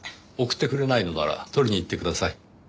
送ってくれないのなら取りに行ってください。